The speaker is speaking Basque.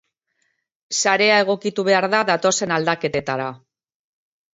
Sarea egokitu behar da, datozen aldaketetara.